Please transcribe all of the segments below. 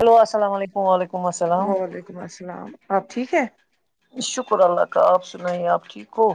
hello السلام علیکم وعلیکم السلام وعلیکم السلام آ پ ٹھیک ہیں شکر اللہ کا اپ سنائیں آ پ ٹھیک ہو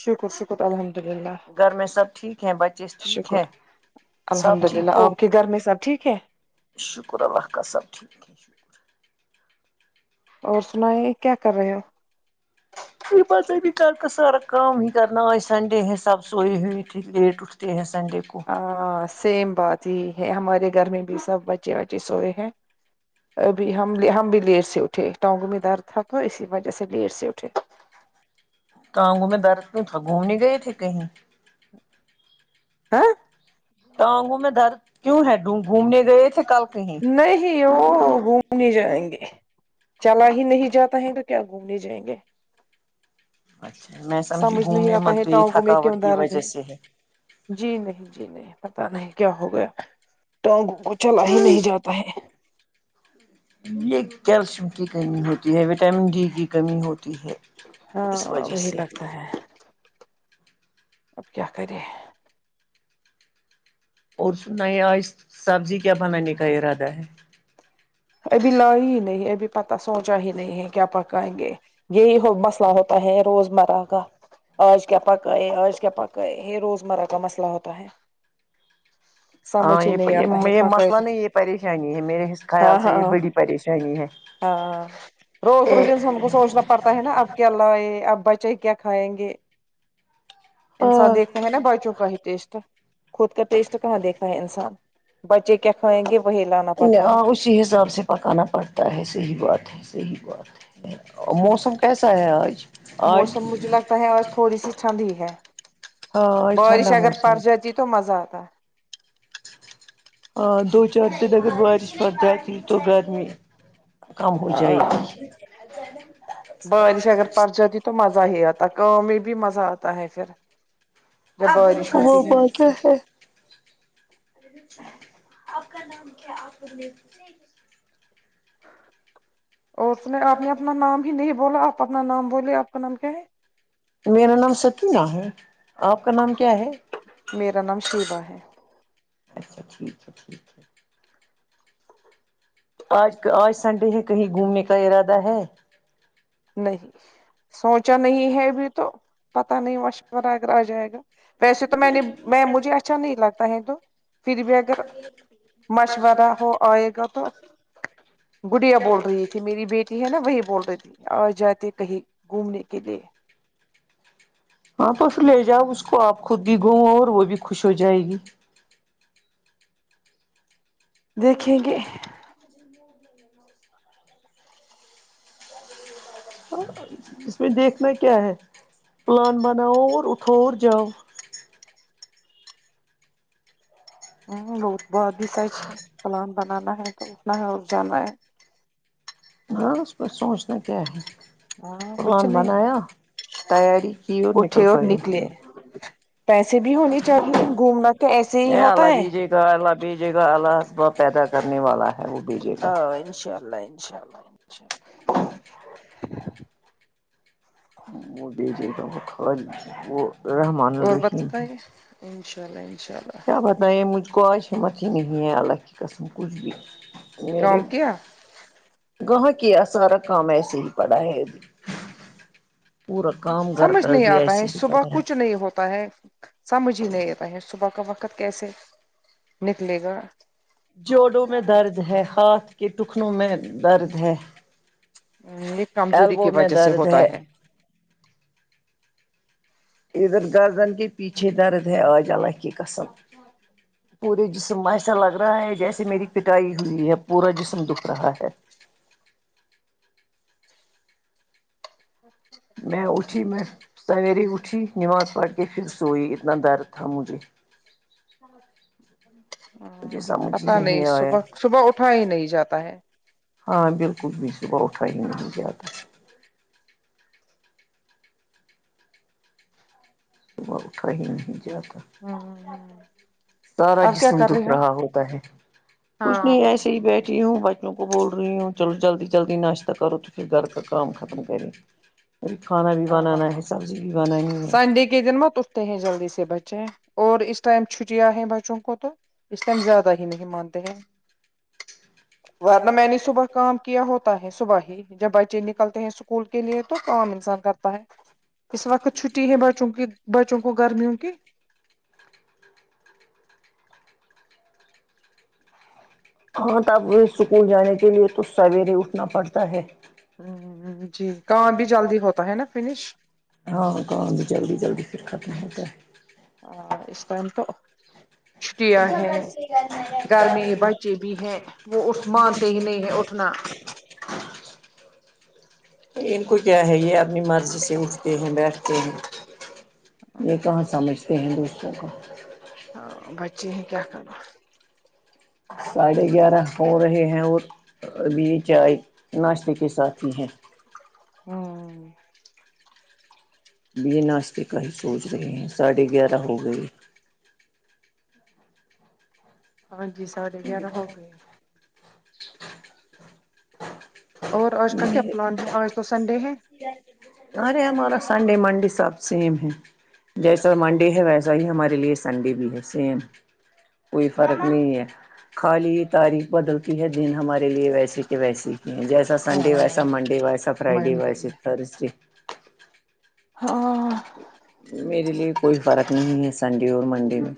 شکرشکر الحمدللہ گھر میں سب ٹھیک ہیں بچے ٹھیک شکر ہیں سب الحمدللہ ٹھیک ہو اپ کے گھر میں سب ٹھیک ہیں شکر اللہ کا سب ٹھیک اور سنائیں کیا کر رہے ہو اوپرسے بھی گھر کا سارا کام کرنا آج سنڈے ہے سب سوئے ہوئے تھی لیٹ اوٹ [unintelligible] ہاں سیم بات ہی ہے ہمارے گھر میں بھی سب بچے وچے سوئے ہیں ابھی ہم ہم بھی لیٹ سے اٹھے ٹانگ میں درد تھا تو اسی وجہ سے لیٹ سے اٹھے ٹانگوں میں درد تھا گھومنے گئے تھے کہیں ہاں ٹانگوں میں درد کیوں ہیں گھومنے گئے تھے کل کہیں ہیون گھومنے جائیں گے چلا ہی نہیں جاتا تو کیا گھومنے جائیں گے اچھا میں سمجھی سمجھ نہیں گھومنے آتا مت ہے گئی ٹانگوں میں تھکاوٹ کیوں کی درد وجہ ہے سے جی نہیں جی نہیں پتہ نہیں کیا ہو گیا ہے ٹانگوں کو چلا ہی نہیں جاتا یہ کیلشیم کی کمی ہوتی ہے وٹامن ڈی کی کمی ہوتی ہے ہاں اس وجہ وہی سے لگتا ہے اب کیا کریں اور سنائیں آج سبزی کیا بنانے کا ارادہ ہے ابھی لائی ہی نہیں ابھی پتہ سوچا ہی نہیں ہے کیا پکائیں گے یہی ہو مسئلہ ہوتا ہے روز مرہ کا اج کیا پکائے اج کیا پکائے یہ روزمرہ کا مسئلہ ہوتا ہے ہاں سمجھ ہی یہ نہیں آتا ہے یہ پکائے مسئلہ تو نہیں یہ پریشانی ہے میرے حس خیال ہاں سے ہاں یہ بڑی پریشانی ہے ہاں پتہ ہے نا اب کیا لائے اب بچے کیا کھائیں گے انسان دیکھتے ہاں ہیں نا بچوں کا ہی ٹیسٹ خود کا ٹیسٹ کہاں دیکھا ہے انسان بچے کیا کھائیں گے وہی لانا پڑتا ہے اس حساب سے پکانا پڑتا ہے صحیح بات ہے صحیح بات ہے موسم کیسا ہے آج آج موسم مجھے لگتا ہے اج تھوڑی سی ٹھنڈی ہے ہاں آج بارش ٹھنڈا اگر پڑ موسم جاتی تو مزہ آتا ہ دو چار دن اگر بارش پڑ جاتی تو گرمی کم ہو جائے گی بارش اگر پڑ جاتی تو مزہ ہی اتا گاؤں میں بھی مزہ اتا ہے پھر جب اب بارش وہ ہوتی بہت ہے پھر اپ کا نام کیا ہے اپ نے اس نے اپ نے اپنا نام ہی نہیں بولا اپ اپنا نام بولے اپ کا نام کیا ہے میرا نام سکینہ ہے اپ کا نام کیا ہے میرا نام شوا ہے [inaudible] آج آج سنڈے ہے کہیں گھومنے کا ارادہ ہے نہیں سوچا نہیں ہے بھی تو پتہ نہیں مشورہ اگر آ جائے گا ویسے تو میں نے میں مجھے اچھا نہیں لگتا ہے تو پھر بھی اگر مشورہ ہو آئے گا تو گڈیا بول رہی تھی میری بیٹ جی ہے نا وہی بول رہ تھی آج جاتی کہیں گھومنے کے لیے ہاں تو اس لے جاؤ اس کو آپ خود بھی گو اور وہ بھی خوش ہو جائے گی دیکھیں گے [inaudible] اس میں دیکھنا کیا ہے پلان بناؤ اور اٹھو اور جاؤ ہ بہت بہت بھی سچ ہے پلان بنانا ہے تو اٹنا ہے اور جانا ہے بس کو سوچنا کیا ہے ہاں کچھ پلان نہیں بنایا تیاری کی اور نکل اٹھے پڑے نکلے پیسے بھی ہونے چاہیے گھومنا تو ایسے ہی ا ہوتا ال الگ ہے ہی ج [unintelligible] ا بھی جے گا الہ اسباب پیدا کرنے والا ہے وہ بھیجے گا ہاں انشاء اللہ انشاء اللہ انشاء اللہ وہ بھیجے گا وہ رحمن الرحیم ہیں انشاءاللہ انشاء اللہ ابتائے مجھ کو آوش ہمت ہی نہیں ہے اللہ کی قسم کچھ بھی میرے کام کیا گہا کے ا سارا کام ایسے ہی پڑا ہے ابھی پور کام سمجھ نہیں بھی آتا ایسے ہے ہی صبح پڑا ہے کچھ نہیں ہوتا ہے سمجھ ہی نہیں آتا ہے صبح کا وقت کیسے نکلے گا جوڑوں میں درد ہے ہاتھ کے ٹکنوں میں درد ہے یہ کمزوری ایلبو کی میں وجہ سے درد ہوتا ہے ادھر گردن کے پیچھے درد ہے آج اللہ کی قسم پورے جسم میں ایسا لگ رہا ہے جیسے میری پٹائی ہوئی ہے پورا جسم دکھ رہا ہے میں اٹھی میں سحری اٹھی نماز پڑھ کے پھر سوئی اتنا درد تھا مجھے مجھے سمجھ ہی پتا نہیں آیا صبح صبح اٹھا ہی نہیں جاتا ہے ہاں بالکل بھی صبح اٹھا ہی نہیں جاتا صبح اٹھا ہی نہیں جاتا ہ سارا آپ کیا جسم کر دکھ رہے ہو رہا ہوتا ہے کچھ نہیں ایس سے ہی ہاں بیٹھی ہوں بچو کو بول رہی ہوں چلو جلدی جلدی ناشتہ کرو تو پھر گھر کا کام ختم کرے ابھی کھانا بھی بنانا ہے ہاں سبزی بھی بنانی ہے تے ہیں جلدی سے بچے اور اس ٹائم چھٹیاں ہیں بچوں کو تو اس لئے ہم زیادہ ہی نہیں مانتے ہیں ورنہ میں نے صبح کام کیا ہوتا ہے صبح ہی جب بچے نکلتے ہیں اسکول کے لیے تو کام انسان کرتا ہے اس وقت چھٹی ہے بچوں کی بچوں کو گرمیوں کی ہاں تب وہ اسکول جانے کے لیئے تو سویرے اٹھنا پڑتا ہے ہ جی کام بھی جلدی ہوتا ہے نا فنش ہاں کام بھی جلدی جلدی پھر ختم ہوتا ہے ہاں اس ٹائم تو چھٹیاں ہے گھر میں بچے بھی ہیں وہ اس مانتے ہی نہیں ہے اٹھنا ان کو کیا ہے یہ اپنی مرضی سے اٹھتے ہیں بیٹھتے ہیں یہ کہاں سمجھتے ہیں دوسروں کو ہاں بچے ہے کیا کرنہ ساڑھے گیارہ ہو رہے ہیں اور ابھی یہ چائے ناشتے کے ساتھ ہی ہیں ھممم یہ ناشتے کا ہی سوچ رہے ہیں ساڑھے گیارہ ہو گئے ہاں جی ساڑھے گیارہ ہوگئے اور آج کا کیا میں پلان ہیں آج تو سنڈے ہیں ارے ہمارا سنڈے منڈے سب سیم ہے جیسا منڈے ہے ویسا ہی ہمارے لیئے سنڈے بھی ہے سیم کوئی فرق نہیں ہے خالی تاریخ بدلتی ہے دن ہمارے لیے ویسیے کہ ویسی ہی ہے جیسا سنڈے ویسا ہاں منڈے ویسا فرائیڈے منڈے ویسے ہے تھرس دے ہاں میرے لیے کوئی فرق نہیں ہے سنڈے اور منڈے میں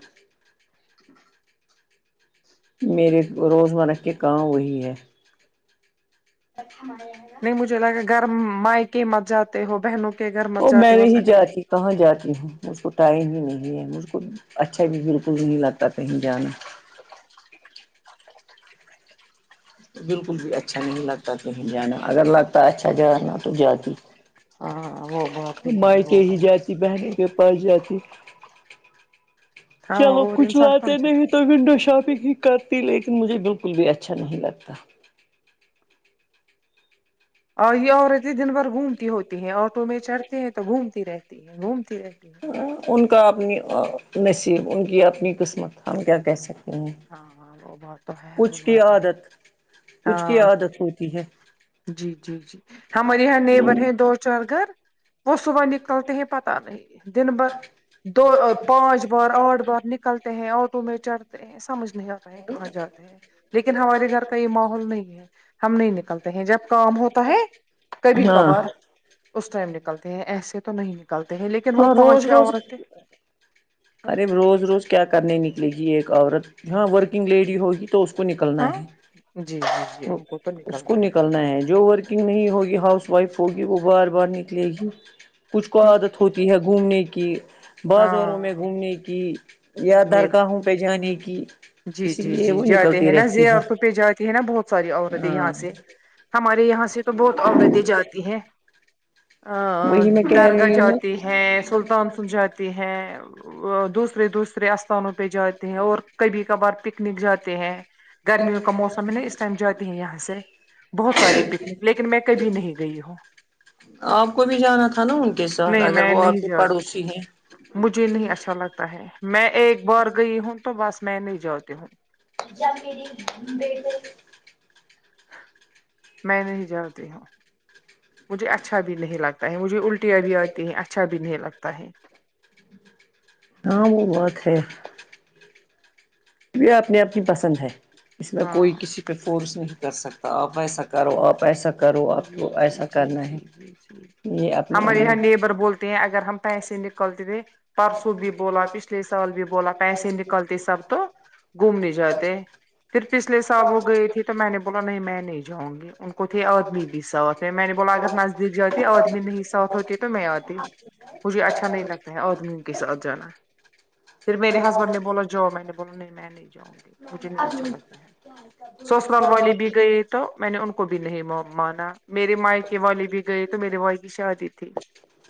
میرے روزمرہ کے کام وہی ہے کی مت جاتے ہو بہنوں کے گھر او مت میں جاتے ہو نہیں سنڈے کے جاتی کہاں جاتی مجھکو ٹائم ہی نہیں ہے مجھکو اچھا بھی بالکل بھی نہیں لگتا کہیں جانا بالکل بھی اچھا نہیں لگتا کہیں جانا اگر لگتا ہے اچھا جانا تو جاتی ہاں وہ بات ہی ہے وہ مائکے ہی بات جاتی بہنوں کے پاس جاتی ہاں چلو اور کچھ انسان کہاں لاتے جاتا ہے، نہیں تو ونڈو شاپنگ ہی کرتی لیکن مجھے اور یہ عورتیں دن بھر گھومتی ہوتی ہیں آٹو میں چڑھتی ہیں تو گھومتی رہتی ہیں گھومتی رہتی ہیں ان کا اپنی نصیب ان کی اپنی قسمت ہم کیا کہہ سکتے ہیں ہاں ہاں وہ بہت کچھ کی عادت کچھ کی ہاں عادت ہوتی ہے جی جی جی ہمارے یہاں نیبر ہیں دو چار گھر وہ صبح نکلتے ہیں پتہ نہیں دن بھر دو پانچ بار آٹھ بار نک نکلتے ہیں آٹو میں چڑھتے ہیں سب مجھ نہیں پتا ہے کہاں جاتے ہیں لیکن ہمارے گھر کا یہ ماحول نہیں ہے ہم نہیں نکلتے ہیں جب کام ہوتا ہے کبھی کا ہاں بار اس ٹائم نکلتے ہیں ایسے تو تو نہیں نکلتے ہیں لیکن وہ ہاں پانچ چھ روز روز عورتیں ارے روز روز کیا کرنے نکلیے گی ایک عورت ہاں ورکنگ لیڈی ہوگی تو اس کو نکلنا ہے جی جی جی ان کو تو اس کو نکلنا ہے جو ورکنگ نہیں ہوگی ہاؤس وائف ہوگی وہ بار بار نکلے گی کچھ کو عادت ہوتی ہے گھومنے کی بازاروں ہاں میں گھومنے کی یا یہ درگاہوں پہ جانے کی جی اسی جی لیے جی وہ جاتے نکلتی ہیں نا رہتی ہے زیارتوں پہ جاتے ہیں نا بہت ساری عورتیں ہاں یہاں سے ہمارے یہاں سے تو بہت عورتیں جاتی ہیں آا وہی میں کہہ درگاہ رہی ہوں جاتی ہے سلطان سل جاتی ہے دوسرے دوسرے استھانوں پہ جاتے ہیں اور کبھی کا بار پکنک جاتے ہیں گرمیوں کا موسم ہے نا اس ٹائم جاتے ہیں یہاں بہت سارے پکنک لیکن میں کبھی نہیں گئی ہوں آپ کو بھی جانا تھا نا ان کے ساتھ نہیں اگر میں وہ نہیں آپ کے پڑوسی ہیں پتا ہے میں ایک بار گئی ہوں تو بس میں نہیں جاتی ہوں میں نہیں جاتی ہوں مجھے اچھا بھی نہیں لگتا ہے مجھے الٹیاں بھی آتی ہیں اچھا بھی نہیں لگتا ہے اں وہ بات ہے یہ اپنے آپ ہی پسند ہے اس میں کوئی ہاں کسی پہ فورس نہیں کر سکتا آپ ا ایسا کرو آپ ایسا کرو آپ جی کو جی ایسا جی کرنا ہے جی جی جی یہ اپنی ہمارے یہاں نیبر بولتے اگر ہم پیسے نکلتے تھے پرسوں بھی بولا پچھلے سال بھی بولا پیسے نکلتے سب تو گھومنے جاتے پھر پچھلے سال وہ گئی تھی تو میں نے بولا نہیں میں نہیں جاؤں گی ان کو تھے آدمی بھی ساتھ ہے میں نے بولا اگر نزدیک جاتی آدمی نہیں ساتھ ہوتی تو میں آتی مجھے اچھا نہیں لگتا ہے اور کے ساتھ جانا پھر میرے ہسبینڈ نے بولا جاو میں نے بولا نہیں میں نہیں گ مجھے نہیں اچھا لگتا ہے سسرال والے بھی گئے تو میں نے ان کو بھی نہیں ما مانا میرے مائ کے والے بھی گئے تو میرے بھائی کی شادی تھی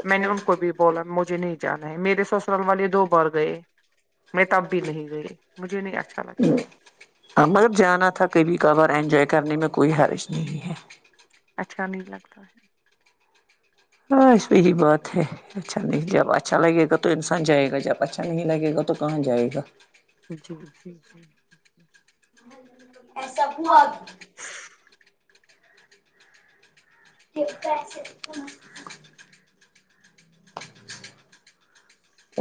میں نے ان کو بھی بولا مجھے نہیں جانا ہے میرے سسرال والے دو بار گئے میں تب بھی نہیں گئی مجھے نہیں اچھا لگتا ہے ہاں مطلب جانا تھا کبھی کبھار انجوائے کرنے میں کوئی حرج نہیں ہے اچھا نہیں لگتا ہے ہاں اس پہ ہی بات ہے اچھا نہیں جب اچھا لگے گا تو انسان جائے گا جب اچھا نہیں لگے گا تو کہاں جائے گا جی جی ایسا ہوا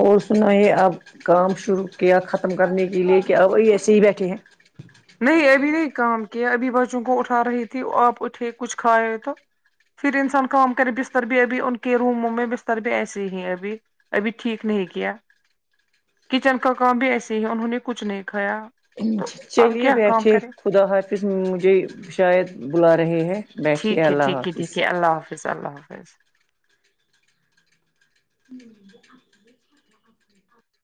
اور سنائیں اب کام شروع کیا ختم کرنے کے لے کہ اب بھائی ایسے ہی بیٹھے ہیں نہیں ابھی نہیں کام کیا ابھی بچوں کو اٹھا رہی تھی آپ اٹھے کچھ کھاائے تو پھر انسان کام کرے بستر بھی ابھی ان کے روموں میں بستر بھی ایسے ہی ہیں ابھی ابھی ٹھیک نہیں کیا کچن کا کام بھی ایسے ہی انہوں نے کچھ نہیں کھایا تو اب چلیے کیا کام بیٹھیے کرے خدا حافظ مجھے شاید بلا رہے ہیں بیٹھیے اللہ حافظ اشاء اللہ حافظ